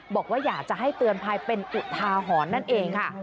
บอกว่าอยากจะให้เตือนภัยเป็นอุทาหรณ์นั่นเองค่ะ